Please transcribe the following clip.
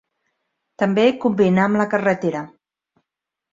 També combinà amb la carretera.